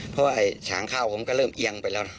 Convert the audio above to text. เพราะว่าฉางข้าวผมก็เริ่มเอียงไปแล้วนะ